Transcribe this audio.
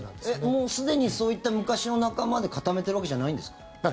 もうすでにそういった昔の仲間で固めてるわけじゃないんですか？